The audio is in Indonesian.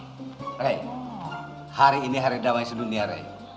hari ini adalah hari damai di dunia rey